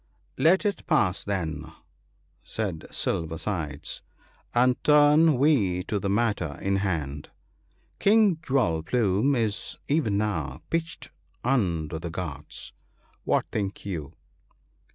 "'" Let it pass, then," said Silver sides, " and turn we to the matter in hand. King Jewel plume is even now pitched under the Ghauts. What think you ?